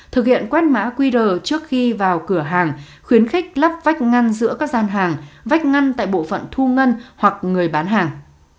thực hiện quét mã qr trước khi vào cửa hàng khuyến khích lắp vách ngăn giữa các gian hàng vách ngăn tại bộ phận thu ngân hoặc người bán hàng